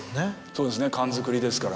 そうですね。